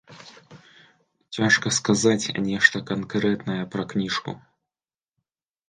Цяжка сказаць нешта канкрэтнае пра кніжку.